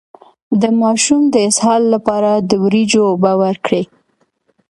د ماشوم د اسهال لپاره د وریجو اوبه ورکړئ